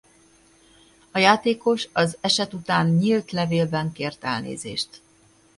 A játékos az eset után nyílt levélben kért elnézést.